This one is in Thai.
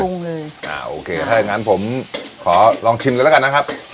อ่าโอเคถ้าอย่างงั้นผมขอลองชิมเลยแล้วกันนะครับ